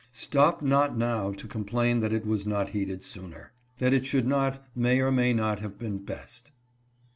Stop not now to complain that it was not heeded sooner. That it should not may or may not have been best.